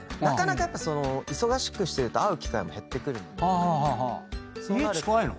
なかなか忙しくしてると会う機会も減ってくるので。